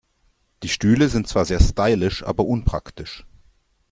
Die Stühle sind zwar sehr stylisch, aber unpraktisch.